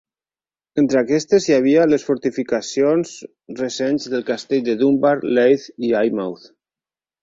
Entre aquestes hi havia les fortificacions recents del castell de Dunbar, Leith i Eyemouth.